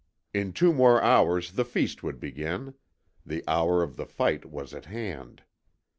In two more hours the feast would begin. The hour of the fight was at hand.